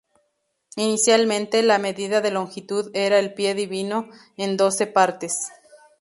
Inicialmente la medida de longitud era el pie dividido en doce partes.